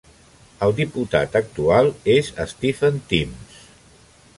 El diputat actual és Stephen Timms.